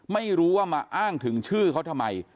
ไม่รู้ว่ามาอ้างถึงชื่อเขาทำไม